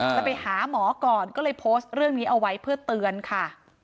จะไปหาหมอก่อนก็เลยโพสต์เรื่องนี้เอาไว้เพื่อเตือนค่ะ